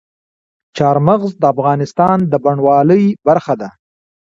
چار مغز د افغانستان د بڼوالۍ برخه ده.